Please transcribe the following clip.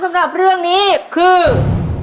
ถ้าสีบนสุดของรุ้งคือสีแดง